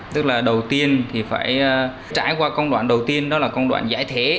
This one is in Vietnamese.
tức là đầu tiên thì phải trải qua công đoạn đầu tiên đó là công đoạn giải thể